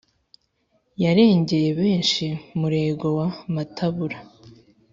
Yarengeye benshi Murego wa Matabura